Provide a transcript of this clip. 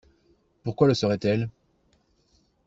Pourquoi le seraient-elles?